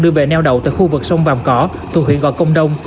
đưa về neo đậu tại khu vực sông vàm cỏ thuộc huyện gò công đông